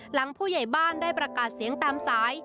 หลังผู้ใหญ่บ้านได้ประกาศเสียงตามสาย